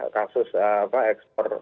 kasus apa expert